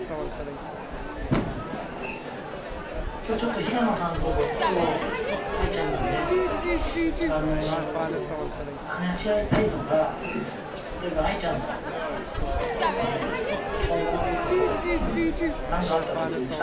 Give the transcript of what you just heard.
今日ちょっと平野さんと僕とアイちゃんでね話し合いたいのが例えばアイちゃんの今後のことを何かあった時に最期に。